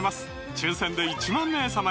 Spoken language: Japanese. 抽選で１万名様に！